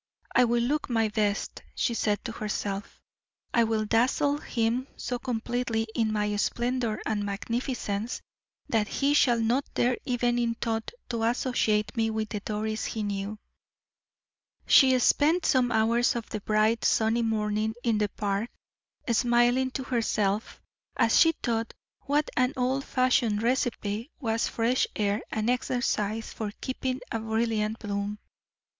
"I will look my best," she said to herself; "I will dazzle him so completely in my splendor and magnificence that he shall not dare even in thought to associate me with the Doris he knew." She spent some hours of the bright, sunny morning in the park, smiling to herself, as she thought what an old fashioned recipe was fresh air and exercise for keeping a brilliant bloom.